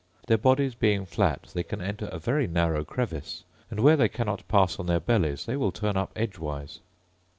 Their bodies being flat they can enter a very narrow crevice; and where they cannot pass on their bellies they will turn up edgewise.